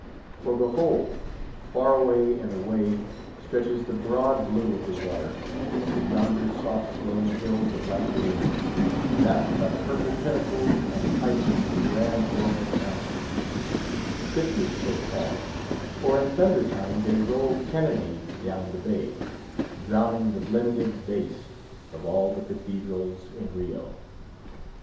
For, behold! far away and away, stretches the broad blue of the water, to yonder soft swelling hills of light green, backed by the purple pinnacles and pipes of the grand Organ Mountains; fitly so called, for in thunder time they roll cannonades down the bay, drowning the blended bass of all the cathedrals in Rio.